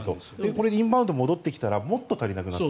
これ、インバウンドが戻ってきたらもっと足りなくなる。